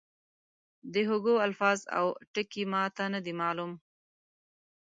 د هوګو الفاظ او ټکي ما ته نه دي معلوم.